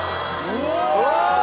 うわ。